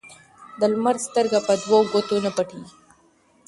ـ د لمر سترګه په دو ګوتو نه پټيږي.